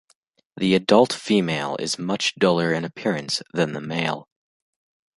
The adult female is much duller in appearance than the male.